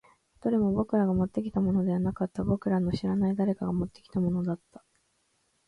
どれも僕らがもってきたものではなかった。僕らの知らない誰かが持ってきたものだった。